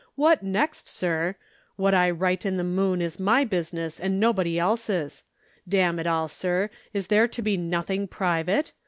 What next, sir? What I write in the Moon is my business and nobody else's. Damn it all, sir, is there to be nothing private?